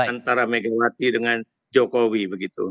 antara megawati dengan jokowi begitu